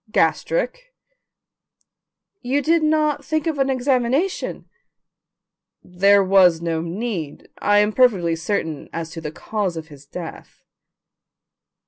"Gastric." "You did not think of an examination?" "There was no need. I am perfectly certain as to the cause of his death."